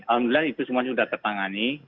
alhamdulillah itu semua sudah tertangani